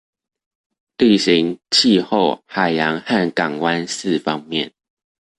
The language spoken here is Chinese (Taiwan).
地形、氣候、海洋和港灣四方面